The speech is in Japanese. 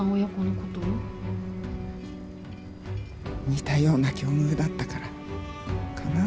似たような境遇だったからかな。